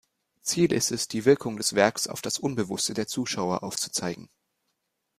Ziel ist es, die Wirkung des Werks auf das Unbewusste der Zuschauer aufzuzeigen.